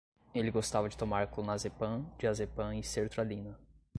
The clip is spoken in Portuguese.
Ele gostava de tomar clonazepam, diazepam e sertralina